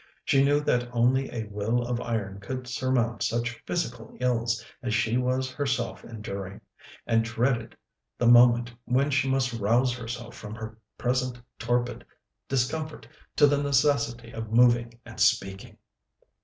She knew that only a will of iron could surmount such physical ills as she was herself enduring, and dreaded the moment when she must rouse herself from her present torpid discomfort to the necessity of moving and speaking.